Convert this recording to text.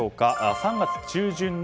３月中旬の